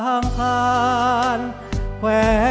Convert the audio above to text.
เพลงพร้อมร้องได้ให้ล้าน